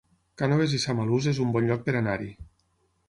Cànoves i Samalús es un bon lloc per anar-hi